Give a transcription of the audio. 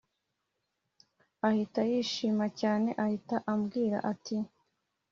ahita yishima cyane ahita ambwira ati